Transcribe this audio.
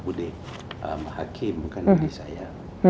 budi hakim bukan budi saya